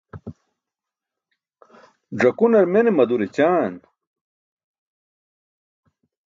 Ẓakunar mene madur ećaan.